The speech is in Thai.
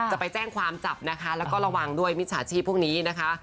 จะไปแจ้งความจับนะคะแล้วก็ระวังด้วยมิจฉาชีพพวกนี้นะคะ